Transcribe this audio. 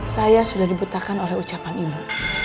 saya sudah dibutakan oleh ucapan ibu